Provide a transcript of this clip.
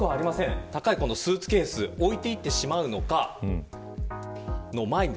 この高いスーツケースを置いていってしまうのかの前に。